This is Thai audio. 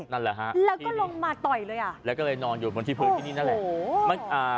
นั่นแหละฮะแล้วก็ลงมาต่อยเลยอ่ะแล้วก็เลยนอนอยู่บนที่พื้นที่นี่นั่นแหละ